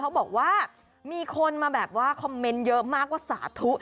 บอกว่ามีคนมาแบบว่าคอมเมนต์เยอะมากว่าสาธุ